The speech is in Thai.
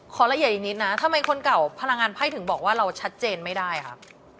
ละเอียดอีกนิดนะทำไมคนเก่าพลังงานไพ่ถึงบอกว่าเราชัดเจนไม่ได้ครับ